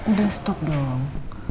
udah stop dong